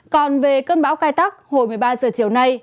còn về cơn bão cai tắc hồi một mươi ba giờ chiều nay